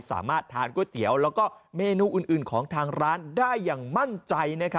สามารถทานก๋วยเตี๋ยวแล้วก็เมนูอื่นของทางร้านได้อย่างมั่นใจ